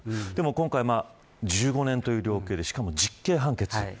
今回１５年という量刑でしかも実刑判決。